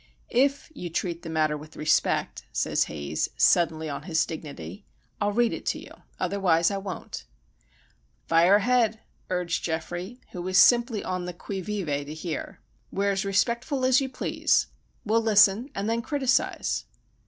"If you treat the matter with respect," says Haze, suddenly on his dignity, "I'll read it to you. Otherwise I won't." "Fire ahead," urged Geoffrey, who was simply on the qui vive to hear. "We're as respectful as you please. We'll listen, and then criticise."